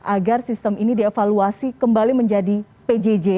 agar sistem ini dievaluasi kembali menjadi pjj